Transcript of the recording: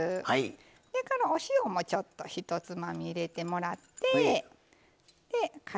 それから、お塩もちょっと一つまみ入れてもらって。